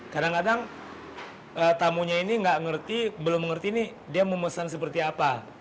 kadang kadang tamunya ini belum mengerti ini dia memesan seperti apa